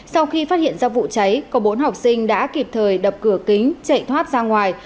sau khi phát hiện ra vụ cháy có bốn học sinh đã kịp thời đập cửa kính chạy thoát ra ngoài